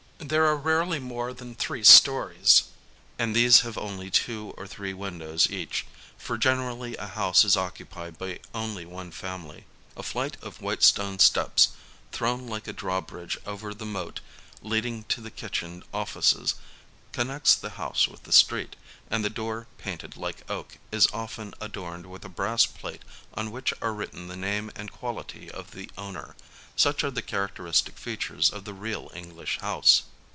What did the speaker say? There are larely more than three stories, and these have only two or three windows each, for generally a house is occupied by only one family. A flight of white stone steps, thrown like a drawbridge over the moat leading to the kitchen offices, connects the house with the street, and the door painted like oak, is often adorned with a brass plate on which are written the name and quality of the owner :— such are the characteristic features of the real English house.